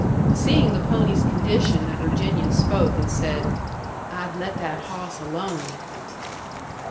Seeing the pony's condition, the Virginian spoke, and said, "I'd let that hawss alone."